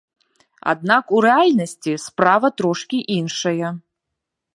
Аднак у рэальнасці справа трошкі іншая.